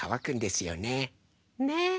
ねえ。